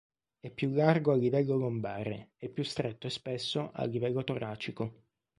È più largo a livello lombare e più stretto e spesso a livello toracico.